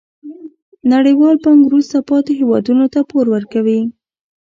نړیوال بانک وروسته پاتې هیوادونو ته پور ورکوي.